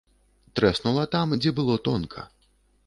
Трэснула там, дзе было тонка.